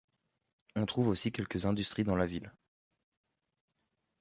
On trouve aussi quelques industries dans la ville.